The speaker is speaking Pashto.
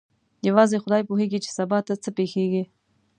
یوازې خدای پوهېږي چې سبا ته څه پېښیږي.